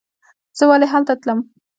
زه ولې هلته تلم.